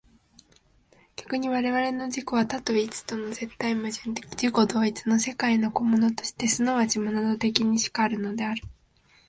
逆に我々の自己は多と一との絶対矛盾的自己同一の世界の個物として即ちモナド的にしかあるのである。